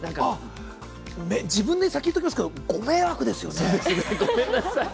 自分で先、言っときますけどご迷惑ですよね。